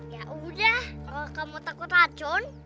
ya udah kalau kamu takut racun